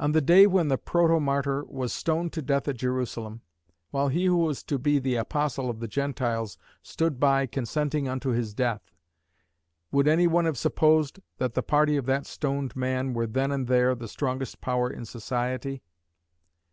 On the day when the protomartyr was stoned to death at Jerusalem, while he who was to be the Apostle of the Gentiles stood by "consenting unto his death," would any one have supposed that the party of that stoned man were then and there the strongest power in society?